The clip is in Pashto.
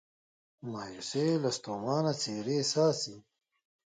مایوسي یې له ستومانه څیرې څاڅي